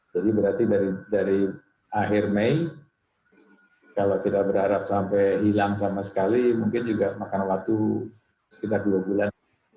jadi berarti dari akhir mei kalau kita berharap sampai hilang sama sekali mungkin juga makan waktu sekitar dua bulan